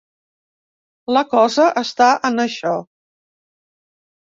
La cosa està en això.